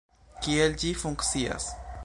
Kiel ĝi funkcias?